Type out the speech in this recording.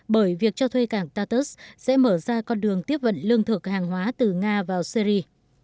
bởi việc cho thuê cảng tartus sẽ mở ra con đường tiếp vận lương thực hàng hóa từ nga vào syri